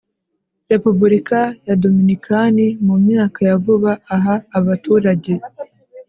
Repubulika ya Dominikani Mu myaka ya vuba aha abaturage